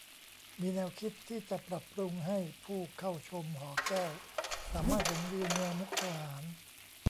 มีแนวคิดที่จะปรับปรุงให้ผู้เข้าชมหอแก้วสามารถเห็นวิวเมืองมุกดาหาร